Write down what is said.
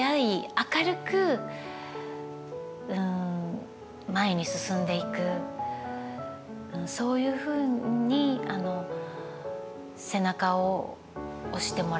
明るく前に進んでいくそういうふうに背中を押してもらってましたので。